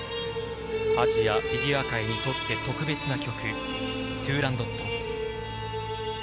アジアフィギュア界にとって特別な曲「トゥーランドット」。